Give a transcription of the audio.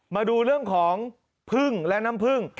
มาดูเรื่องของพึ่งและน้ำผึ้ง